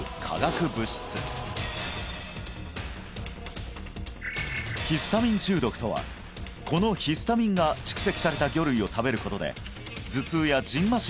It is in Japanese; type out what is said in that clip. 化学物質ヒスタミン中毒とはこのヒスタミンが蓄積された魚類を食べることで頭痛やじん